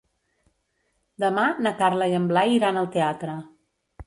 Demà na Carla i en Blai iran al teatre.